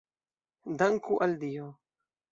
Danku al Dio!